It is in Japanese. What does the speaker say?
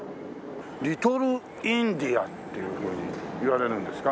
リトルインディアっていうふうに言われるんですか？